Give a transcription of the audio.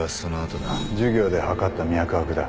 授業で測った脈拍だ。